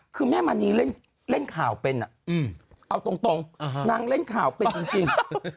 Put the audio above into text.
คือแม่มณีเล่นข่าวเป็นเอาตรงนางเล่นข่าวเป็นจริง